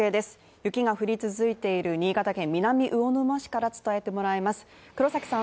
雪が降り続いている新潟県南魚沼市から伝えてもらいます黒崎さん。